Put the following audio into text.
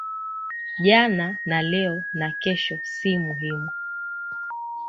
Jana na leo na kesho si muhimu